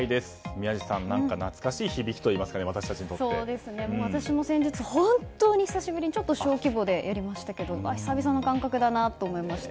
宮司さん何か懐かしい響きといいますか私も先日本当に久しぶりに小規模でやりましたけど久々の感覚だなと思いました。